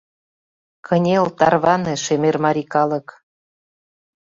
Кынел, тарване, шемер марий калык